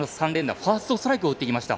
ファーストストライクを打ってきました。